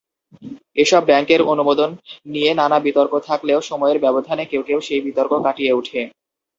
এসব ব্যাংকের অনুমোদন নিয়ে নানা বিতর্ক থাকলেও সময়ের ব্যবধানে কেউ কেউ সেই বিতর্ক কাটিয়ে উঠে।